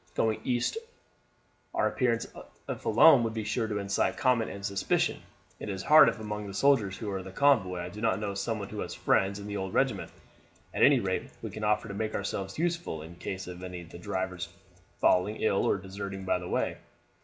Going east our appearance if alone would be sure to incite comment and suspicion. It is hard if among the soldiers with the convoy I do not know someone who has friends in the old regiment. At any rate we can offer to make ourselves useful in case of any of the drivers falling ill or deserting by the way."